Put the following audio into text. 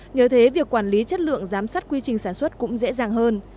nhờ thế việc quản lý chất lượng giám sát quy trình sản xuất cũng dễ dàng hơn